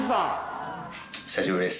久しぶりです。